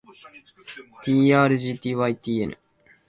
ｔｒｇｔｙｔｎ